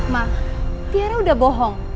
ma tiara udah bohong